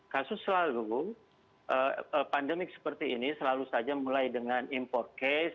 kasus selalu pandemik seperti ini selalu saja mulai dengan impor case